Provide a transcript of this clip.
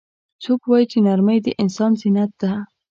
څوک وایي چې نرمۍ د انسان زینت ده